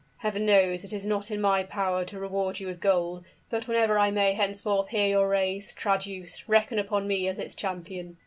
"Heaven knows it is not in my power to reward you with gold; but whenever I may henceforth hear your race traduced, reckon upon me as its champion."